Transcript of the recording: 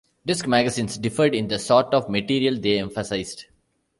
Disk magazines differed in the sorts of material they emphasised.